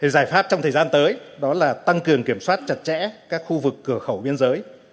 giải pháp trong thời gian tới đó là tăng cường kiểm soát chặt chẽ các khu vực cửa khẩu biên giới